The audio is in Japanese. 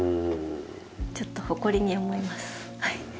ちょっと誇りに思います。